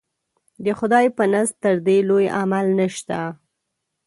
د خدای په نزد تر دې لوی عمل نشته.